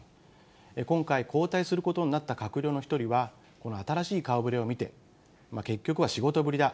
今回、交代することになった閣僚の一人は、この新しい顔ぶれを見て、結局は仕事ぶりだ。